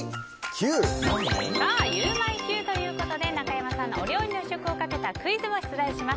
ゆウマいＱということで中山さんのお料理の試食をかけたクイズを出題します。